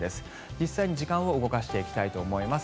実際に時間を動かしていきたいと思います。